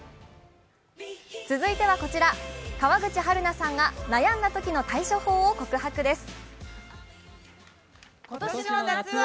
続いてはこちら、川口春奈さんが悩んだときの対処法を告白です。